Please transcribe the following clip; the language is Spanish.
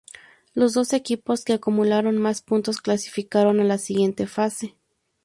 Los dos equipos que acumularon más puntos clasificaron a la siguiente fase.